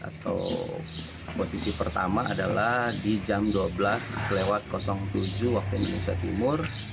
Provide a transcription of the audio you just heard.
atau posisi pertama adalah di jam dua belas tujuh waktu indonesia timur